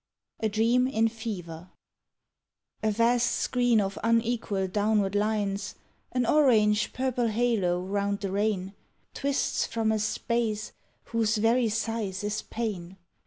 A DREAM IN FEVER A vast screen of unequal downward lines, An orange purple halo 'round the rain, Twists from a space whose very size is pain.